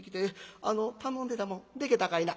あの頼んでたもんでけたかいな？」。